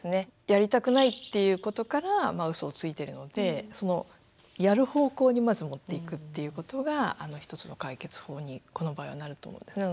やりたくないっていうことからうそをついてるのでやる方向にまず持っていくっていうことが一つの解決法にこの場合はなると思うんですね。